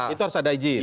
itu harus ada izin